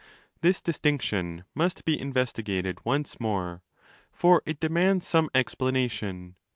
This distinction must be investigated once more,' for it demands some explanation.